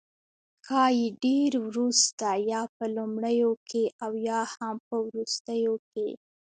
ښايي ډیر وروسته، یا په لومړیو کې او یا هم په وروستیو کې